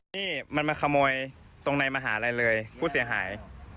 นี่มันมาขโมยตรงในมหาลัยเลยผู้เสียหาย